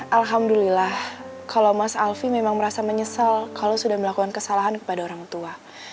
alhamdulillah kalau mas alfie memang merasa menyesal kalau sudah melakukan kesalahan kepada orang tua